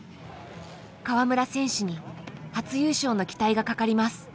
川村選手に初優勝の期待がかかります。